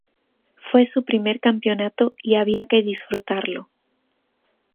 Fue su primer campeonato y había que disfrutarlo.